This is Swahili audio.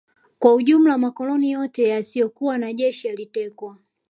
Kwa ujumla makoloni yote yasiyokuwa na jeshi yalitekwa